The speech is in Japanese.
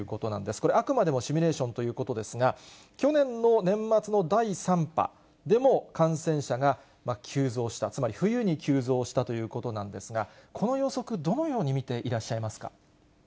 これ、あくまでもシミュレーションということですが、去年の年末の第３波でも感染者が急増した、つまり冬に急増したということなんですが、この予測、どのように見ていらっしゃいますか。